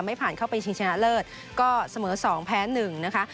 ผ่านเข้าไปชิงชนะเลิศก็เสมอ๒แพ้๑นะคะ